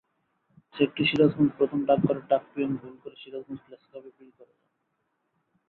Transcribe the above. চেকটি সিরাজগঞ্জ প্রধান ডাকঘরের ডাকপিয়ন ভুল করে সিরাজগঞ্জ প্রেসক্লাবে বিলি করে যান।